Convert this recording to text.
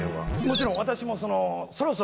もちろん私もそろそろ。